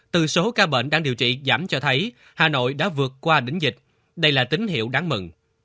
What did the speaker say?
từ số ca bệnh đang điều trị giảm cho thấy hà nội đã vượt qua đỉnh dịch đây là tín hiệu đáng mừng